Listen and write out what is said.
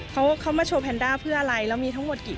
เขาก็โอเคเข้าใจอะไรอย่างนี้